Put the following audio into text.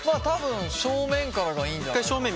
多分正面からがいいんじゃないかな？